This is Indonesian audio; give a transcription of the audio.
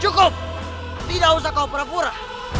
cukup tidak usah kau perapura